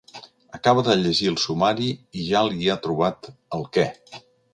Acaba de llegir el sumari i ja li ha trobat el què.